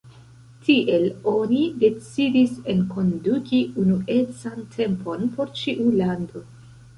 Tiel oni decidis enkonduki unuecan tempon por ĉiu lando.